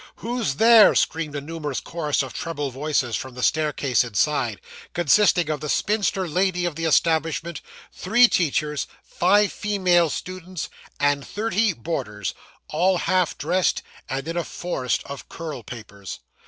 'Who's there?' screamed a numerous chorus of treble voices from the staircase inside, consisting of the spinster lady of the establishment, three teachers, five female servants, and thirty boarders, all half dressed and in a forest of curl papers.